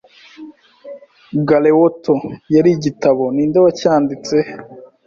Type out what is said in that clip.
Galeotto yari igitabo ninde wacyanditse